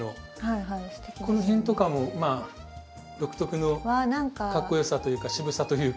この辺とかもまあ独特のかっこよさというか渋さというか。